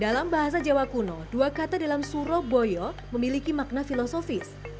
dalam bahasa jawa kuno dua kata dalam surabaya memiliki makna filosofis